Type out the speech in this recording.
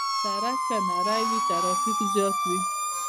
سړک که نری وي، ترافیک زیات وي.